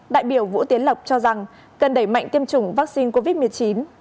đại biểu vũ tiến lộc cho rằng cần đẩy mạnh tiêm chủng vaccine covid một mươi chín